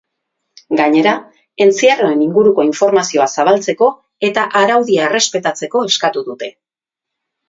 Gainera, entzierroen inguruko informazioa zabaltzeko eta araudia errespetatzeko eskatu dute.